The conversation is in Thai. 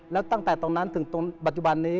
แล้วตั้งแต่ตรงนั้นถึงตรงปัจจุบันนี้